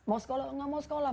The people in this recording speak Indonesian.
mau sekolah nggak mau sekolah